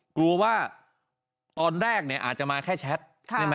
กลัวว่าตอนแรกเนี่ยอาจจะมาแค่แชท